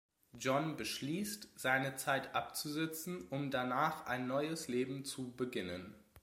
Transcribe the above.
John beschließt, seine Zeit abzusitzen um danach ein neues Leben zu beginnen.